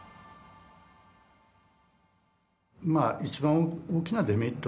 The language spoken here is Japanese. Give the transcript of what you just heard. まあ一番大きなデメリットはですね